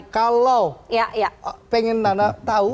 kalau pengen nana tahu